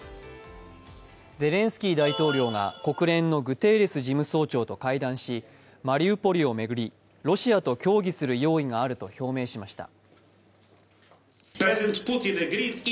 ゼレンスキー大統領が国連のグテーレス事務総長と会談し、マリウポリを巡り、ロシアと協議する用意があると表明しました。